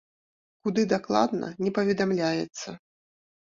Куды дакладна, не паведамляецца.